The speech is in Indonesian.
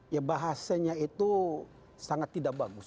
ya bahasanya itu sangat tidak bagus